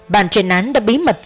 bàn truyền án đã bí mật